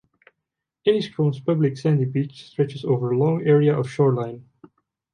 Enniscrone's public sandy beach stretches over a long area of shoreline.